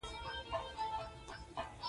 بنده ظالم ته بښنه کوي.